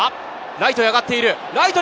ライトへ上がっている！